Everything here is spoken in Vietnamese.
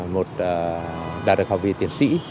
một đạt được học viên tiến sĩ